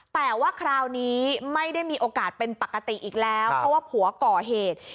แต่ว่าคราวนี้ไม่ได้มีโอกาสเป็นปกติอีกแล้วเพราะว่าผัวก่อเหตุ